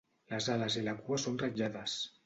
Les ales i la cua són ratllades.